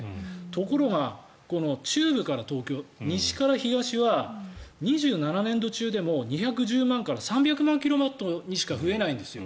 ところが、中部から東京西から東は２７年度中でも２１０万から３００万キロワットにしか増えないんですよ。